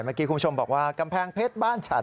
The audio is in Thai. เมื่อกี้คุณผู้ชมบอกว่ากำแพงเพชรบ้านฉัน